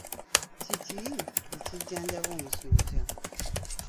Kiki ekijjanjaba omusujja?